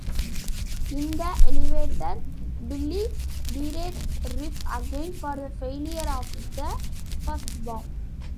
In the elevator, Billy berates Riff again for the failure of the first bomb.